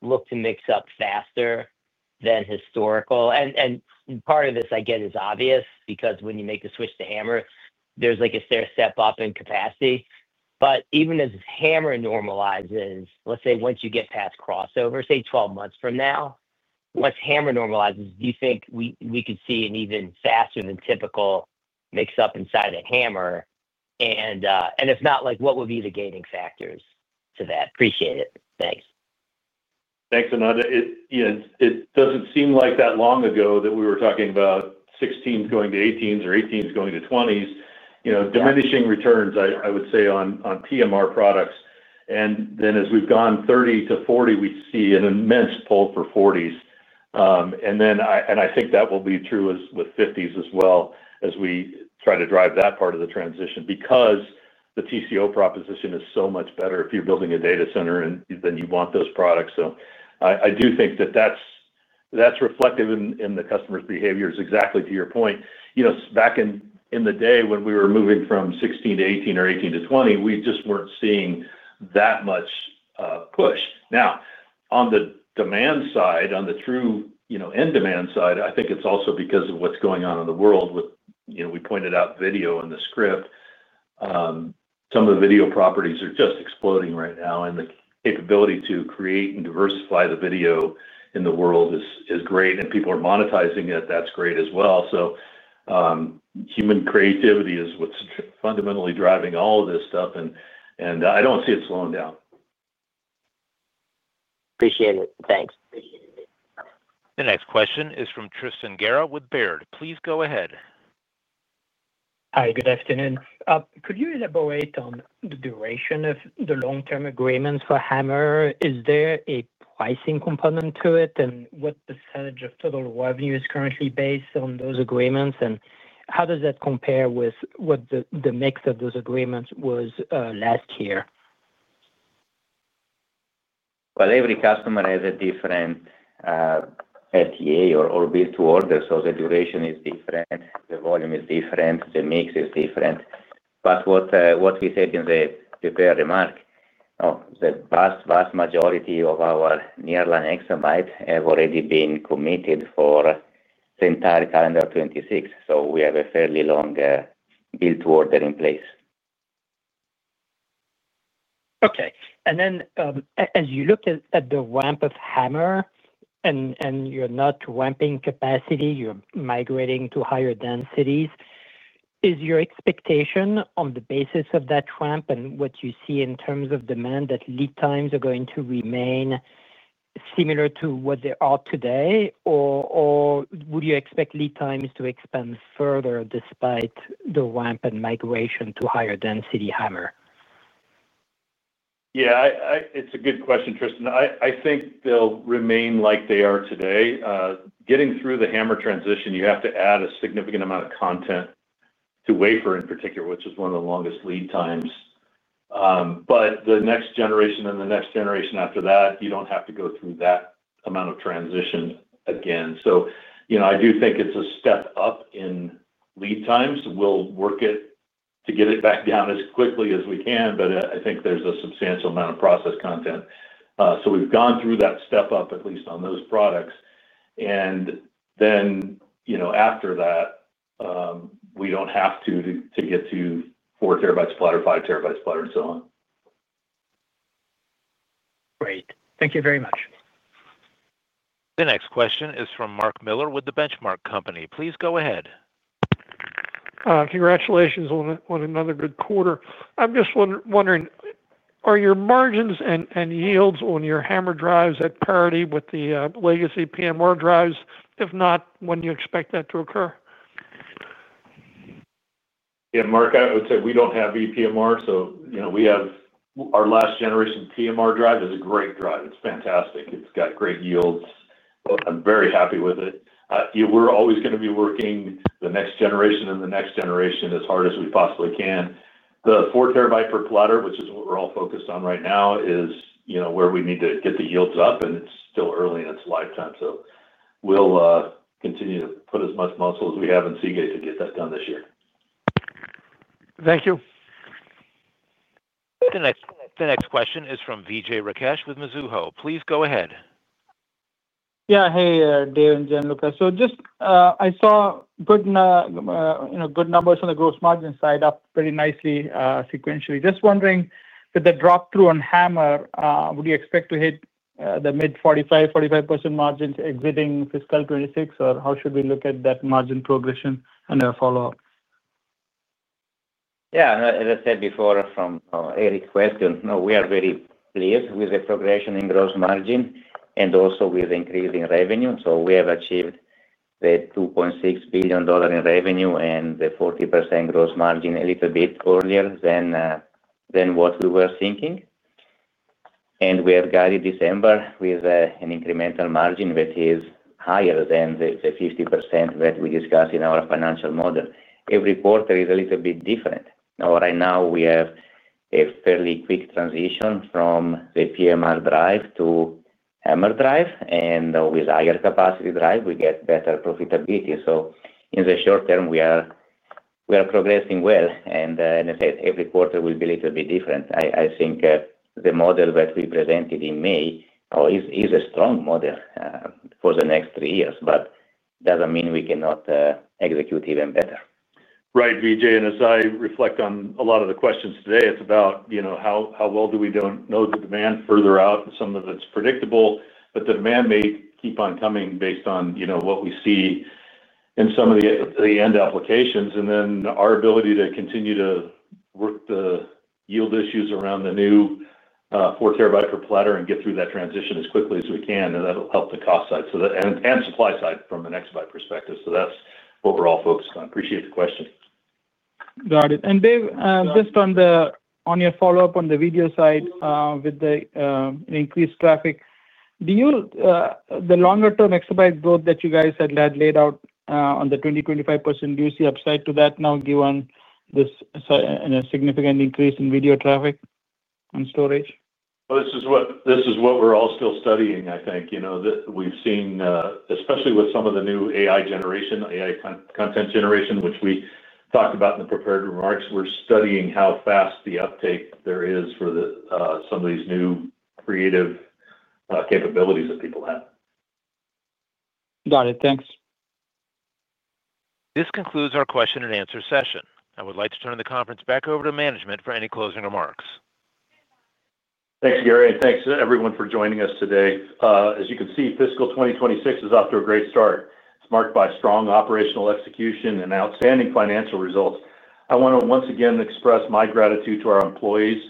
S18: look to mix-up faster than historical? Part of this, I get, is obvious because when you make the switch to HAMR, there's like a stair step up in capacity. Even as HAMR normalizes, let's say once you get past crossover, say 12 months from now, once HAMR normalizes, do you think we could see an even faster than typical mix-up inside of HAMR? If not, what would be the gating factors to that? Appreciate it. Thanks.
S3: Thanks, Ananda. Yeah, it doesn't seem like that long ago that we were talking about 16s going to 18s or 18s going to 20s, you know, diminishing returns, I would say, on PMR products. As we've gone 30 to 40, we see an immense pull for 40s. I think that will be true with 50s as well as we try to drive that part of the transition because the TCO proposition is so much better if you're building a data center and you want those products. I do think that that's reflective in the customer's behaviors, exactly to your point. Back in the day when we were moving from 16 to 18 or 18 to 20, we just weren't seeing that much push. Now, on the demand side, on the true in-demand side, I think it's also because of what's going on in the world with, you know, we pointed out video in the script. Some of the video properties are just exploding right now, and the capability to create and diversify the video in the world is great, and people are monetizing it. That's great as well. Human creativity is what's fundamentally driving all of this stuff, and I don't see it slowing down.
S18: Appreciate it. Thanks.
S1: The next question is from Tristan Gerra with Baird. Please go ahead.
S19: Hi, good afternoon. Could you elaborate on the duration of the long-term agreements for HAMR? Is there a pricing component to it? What percentage of total revenue is currently based on those agreements? How does that compare with what the mix of those agreements was last year?
S4: Every customer has a different FTA or build-to-order. The duration is different, the volume is different, the mix is different. What we said in the Baird remark, the vast, vast majority of our nearline exabytes have already been committed for the entire calendar 2026. We have a fairly long build-to-order in place.
S19: Okay. As you looked at the ramp of HAMR and you're not ramping capacity, you're migrating to higher densities, is your expectation on the basis of that ramp and what you see in terms of demand that lead times are going to remain similar to what they are today? Would you expect lead times to expand further despite the ramp and migration to higher density HAMR?
S3: Yeah, it's a good question, Tristan. I think they'll remain like they are today. Getting through the HAMR transition, you have to add a significant amount of content to wafer in particular, which is one of the longest lead times. The next generation and the next generation after that, you don't have to go through that amount of transition again. I do think it's a step up in lead times. We'll work it to get it back down as quickly as we can, but I think there's a substantial amount of process content. We've gone through that step up at least on those products. After that, we don't have to get to 4 TB platter, 5 TB platter, and so on.
S19: Great. Thank you very much.
S1: The next question is from Mark Miller with The Benchmark Company. Please go ahead.
S20: Congratulations on another good quarter. I'm just wondering, are your margins and yields on your HAMR drives at parity with the legacy PMR drives? If not, when do you expect that to occur?
S3: Yeah, Mark, I would say we don't have ePMR. You know, we have our last generation PMR drive. It's a great drive. It's fantastic. It's got great yields. I'm very happy with it. We're always going to be working the next generation and the next generation as hard as we possibly can. The 4 TB per platter, which is what we're all focused on right now, is where we need to get the yields up, and it's still early in its lifetime. We'll continue to put as much muscle as we have in Seagate to get that done this year.
S20: Thank you.
S1: The next question is from Vijay Rakesh with Mizuho. Please go ahead.
S21: Yeah, hey, Dave and Gianluca. I saw good numbers on the gross margin side, up pretty nicely sequentially. Just wondering, with the drop through on HAMR, would you expect to hit the mid 45%, 45% margins exiting fiscal 2026, or how should we look at that margin progression? A follow-up.
S4: Yeah, as I said before from Erik's question, we are very pleased with the progression in gross margin and also with increasing revenue. We have achieved the $2.6 billion in revenue and the 40% gross margin a little bit earlier than what we were thinking. We have guided December with an incremental margin that is higher than the 50% that we discussed in our financial model. Every quarter is a little bit different. Right now, we have a fairly quick transition from the PMR drive to HAMR drive, and with higher capacity drive, we get better profitability. In the short term, we are progressing well. As I said, every quarter will be a little bit different. I think the model that we presented in May is a strong model for the next three years, but it doesn't mean we cannot execute even better.
S3: Right, Vijay, as I reflect on a lot of the questions today, it's about, you know, how well do we know the demand further out? Some of it's predictable, but the demand may keep on coming based on, you know, what we see in some of the end applications. Our ability to continue to work the yield issues around the new 4 TB per plotter and get through that transition as quickly as we can will help the cost side and supply side from an exabyte perspective. That's what we're all focused on. Appreciate the question.
S21: Got it. Dave, just on your follow-up on the video side with the increased traffic, do you see the longer-term exabyte growth that you guys had laid out on the 20%, 25%? Do you see upside to that now given this significant increase in video traffic and storage?
S3: This is what we're all still studying, I think. You know, we've seen, especially with some of the new AI generation, AI content generation, which we talked about in the prepared remarks, we're studying how fast the uptake there is for some of these new creative capabilities that people have.
S21: Got it. Thanks.
S1: This concludes our question and answer session. I would like to turn the conference back over to management for any closing remarks.
S3: Thanks, Gary, and thanks everyone for joining us today. As you can see, fiscal 2026 is off to a great start. It's marked by strong operational execution and outstanding financial results. I want to once again express my gratitude to our employees,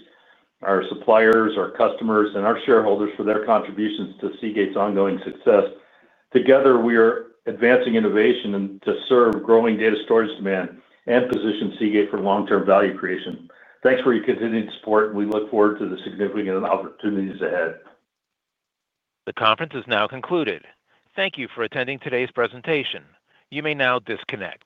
S3: our suppliers, our customers, and our shareholders for their contributions to Seagate's ongoing success. Together, we are advancing innovation to serve growing data storage demand and Seagate for long-term value creation. Thanks for your continued support, and we look forward to the significant opportunities ahead.
S1: The conference is now concluded. Thank you for attending today's presentation. You may now disconnect.